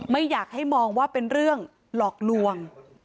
ไม่อยากให้มองว่าเป็นเรื่องหลอกลวง